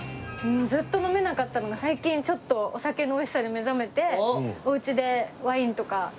ずっと飲めなかったのが最近ちょっとお酒の美味しさに目覚めておうちでワインとか。